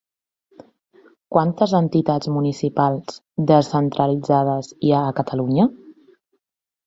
Quantes entitats municipals descentralitzades hi ha a Catalunya?